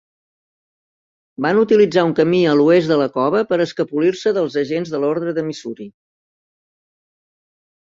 Van utilitzar un camí a l'oest de la cova per escapolir-se dels agents de l'ordre de Missouri.